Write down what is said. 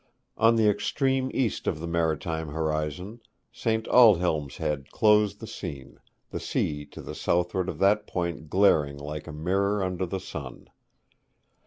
On the extreme east of the marine horizon, St. Aldhelm's Head closed the scene, the sea to the southward of that point glaring like a mirror under the sun.